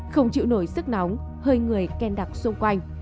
không chịu nổi sức nóng hơi người ken đặc xung quanh